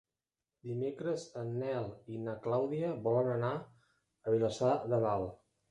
Dimecres en Nel i na Clàudia volen anar a Vilassar de Dalt.